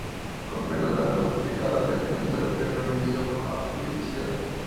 Con pelos largos entre cada segmento, el pelo no llega a formar vellosidad.